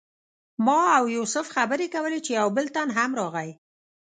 ما او یوسف خبرې کولې چې یو بل تن هم راغی.